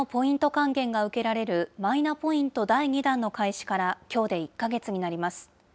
還元が受けられるマイナポイント第２弾の開始から、きょうで１か月になります。